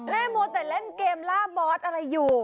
มัวแต่เล่นเกมล่าบอสอะไรอยู่